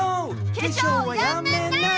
「けしょうはやめない！」